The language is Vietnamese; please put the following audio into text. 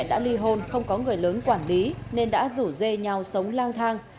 đã ly hôn không có người lớn quản lý nên đã rủ dê nhau sống lang thang